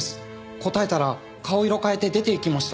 答えたら顔色変えて出ていきました。